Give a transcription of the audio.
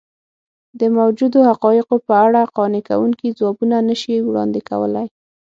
د موجودو حقایقو په اړه قانع کوونکي ځوابونه نه شي وړاندې کولی.